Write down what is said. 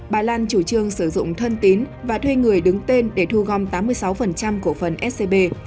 bà lan chủ trương sử dụng thân tín và thuê người đứng tên để thu gom tám mươi sáu cổ phần scb